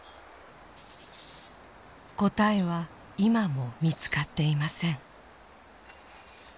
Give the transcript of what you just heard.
答えは今も見つかっていません。